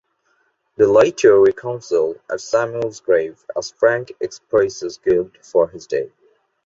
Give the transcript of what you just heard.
They later reconcile at Samuel’s grave as Frank expresses guilt for his death.